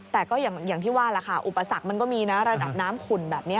แต่ก็อย่างที่ว่าล่ะค่ะอุปสรรคมันก็มีนะระดับน้ำขุ่นแบบนี้